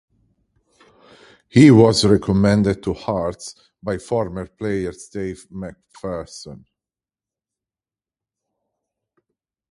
He was recommended to Hearts by former player Dave McPherson.